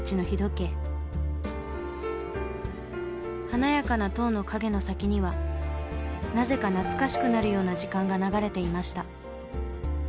華やかな塔の影の先にはなぜか懐かしくなるような時間が流れていました。